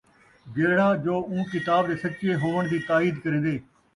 جِہڑا جو اُوں کتاب دے سَچّے ہووݨ دی تائید کریندے،